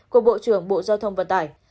của bộ trưởng bộ giao thông vận tải